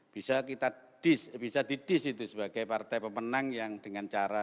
bisa kita bisa didis itu sebagai partai pemenang yang dengan cara